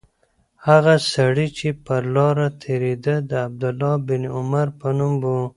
هغه سړی چې پر لاره تېرېده د عبدالله بن عمر په نوم و.